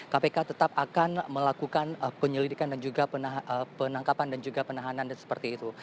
kpk tetap akan melakukan penyelidikan dan juga penangkapan dan juga penahanan seperti itu